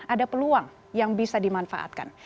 ada peluang yang bisa dimanfaatkan